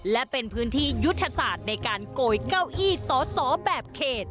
และเป็นพื้นที่ยุทธศาสตร์ในการโกยเก้าอี้สอสอแบบเขต